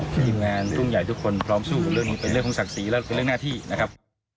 ทีมงานทุ่งใหญ่ทุกคนพร้อมสู้กับเรื่องนี้เป็นเรื่องของศักดิ์ศรีและเป็นเรื่องหน้าที่นะครับ